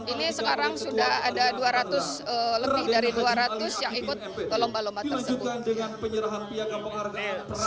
ini sekarang sudah ada dua ratus lebih dari dua ratus yang ikut ke lomba lomba tersebut